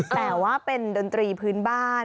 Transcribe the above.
แต่ว่าเป็นดนตรีพื้นบ้าน